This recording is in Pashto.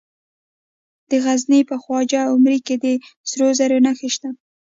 د غزني په خواجه عمري کې د سرو زرو نښې شته.